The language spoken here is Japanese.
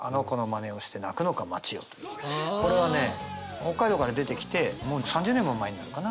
これはね北海道から出てきてもう３０年も前になるかな？